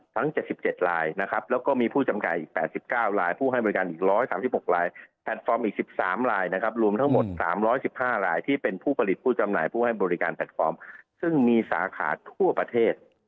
ทั้ง๗๗ลายนะครับแล้วก็มีผู้จำไก่อีก๘๙ลายผู้ให้บริการอีก๑๓๖ลายแพลตฟอร์มอีก๑๓ลายนะครับรวมทั้งหมด๓๑๕ลายที่เป็นผู้ผลิตผู้จำหน่ายผู้ให้บริการแพลตฟอร์มซึ่งมีสาขาทั่วประเทศ